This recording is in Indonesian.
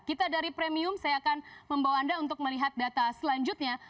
kita dari premium saya akan membawa anda untuk melihat data selanjutnya